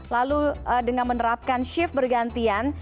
lalu dengan menerapkan shift bergantian